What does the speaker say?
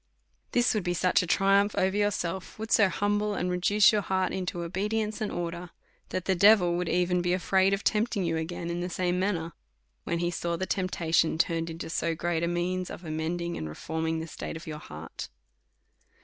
This would be such a triumph over yourself, would so humble and reduce your heart into oliedience and order, that the devil would be even afraid of tempting you again in the same manner, when he saw the temptation turned into so great a means of amend ing and reforming the state of your heart.